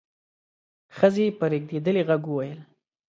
ښځې په رېږدېدلي غږ وويل: